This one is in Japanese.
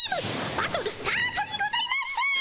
バトルスタートにございます！